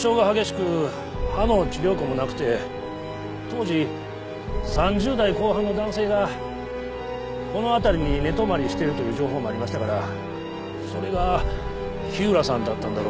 当時３０代後半の男性がこの辺りに寝泊まりしているという情報もありましたからそれが火浦さんだったんだろうと。